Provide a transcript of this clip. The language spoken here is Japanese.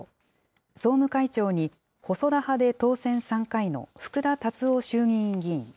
総務会長に細田派で当選３回の福田達夫衆議院議員。